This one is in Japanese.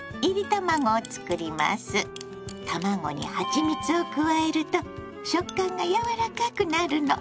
卵にはちみつを加えると食感がやわらかくなるの。